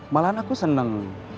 malahan aku seneng